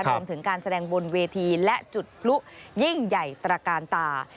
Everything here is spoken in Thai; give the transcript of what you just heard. รวมถึงการแสดงบนเวทีและจุดพลุยิ่งใหญ่ตระกาลตา